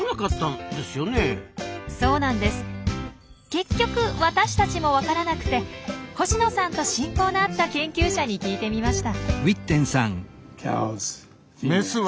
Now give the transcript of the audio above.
結局私たちもわからなくて星野さんと親交のあった研究者に聞いてみました。